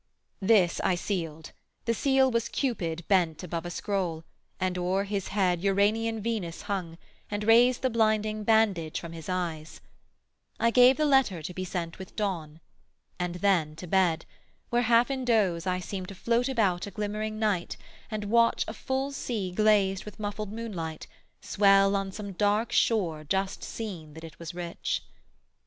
This I sealed: The seal was Cupid bent above a scroll, And o'er his head Uranian Venus hung, And raised the blinding bandage from his eyes: I gave the letter to be sent with dawn; And then to bed, where half in doze I seemed To float about a glimmering night, and watch A full sea glazed with muffled moonlight, swell On some dark shore just seen that it was rich.